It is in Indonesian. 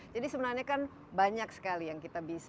jadi sebenarnya kan banyak sekali yang kita bisa